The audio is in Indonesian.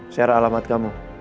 saya ada alamat kamu